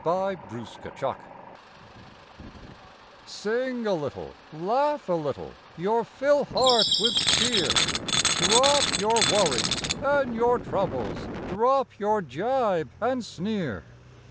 March Fifteenth FILL IT CING a little, laugh a little, your fill heart with cheer. Drop your worries and your troubles; drop your gibe and sneer.